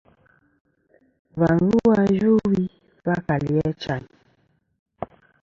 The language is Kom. Và lu a Yvɨwi va kali Achayn.